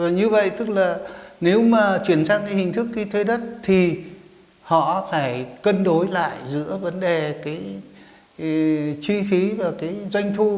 như vậy tức là nếu mà chuyển sang hình thức thuê đất thì họ phải cân đối lại giữa vấn đề chi phí và doanh thu